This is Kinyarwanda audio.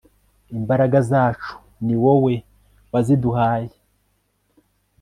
imbaraga zacu ni wowe waziduhaye